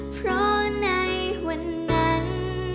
เพราะในวันนั้น